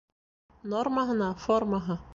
Нормаһына формаһы.